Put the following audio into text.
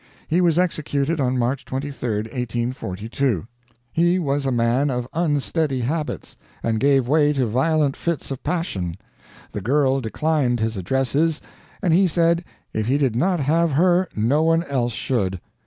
He was executed on March 23, 1842. He was a man of unsteady habits, and gave way to violent fits of passion. The girl declined his addresses, and he said if he did not have her no one else should.